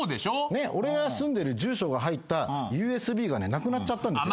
俺が住んでる住所が入ったＵＳＢがなくなっちゃったんですよ。